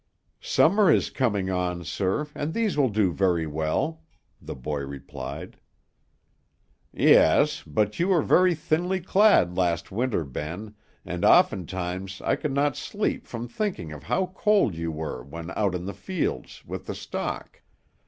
"Summer is coming on, sir, and these will do very well," the boy replied. "Yes; but you were very thinly clad last winter, Ben, and oftentimes I could not sleep from thinking of how cold you were when out in the fields with the stock.